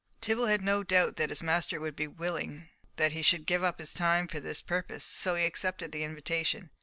Tibble had no doubt that his master would be willing that he should give up his time for this purpose, so he accepted the invitation.